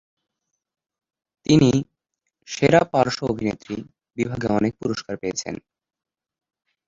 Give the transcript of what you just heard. তিনি "সেরা পার্শ্ব অভিনেত্রী" বিভাগে অনেক পুরস্কার পেয়েছেন।